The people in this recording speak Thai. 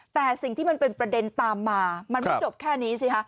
แต่สิ่งที่มันเป็นประเด็นตามมามันไม่จบแค่นี้สิฮะ